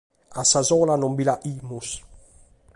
A sa sola non bi la faghimus.